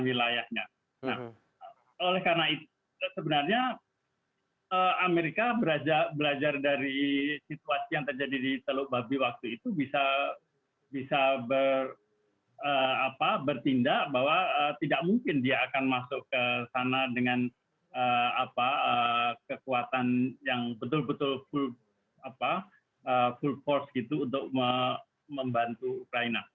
nah oleh karena itu sebenarnya amerika belajar dari situasi yang terjadi di teluk babi waktu itu bisa bertindak bahwa tidak mungkin dia akan masuk ke sana dengan kekuatan yang betul betul full force gitu untuk membantu ukraina